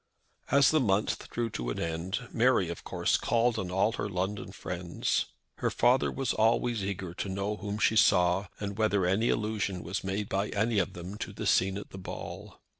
As the month drew to an end Mary, of course, called on all her London friends. Her father was always eager to know whom she saw, and whether any allusion was made by any of them to the scene at the ball.